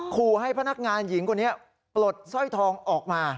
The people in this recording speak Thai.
ขู่ให้พนักงานหญิงคนนี้ปลดสร้อยทองออกมา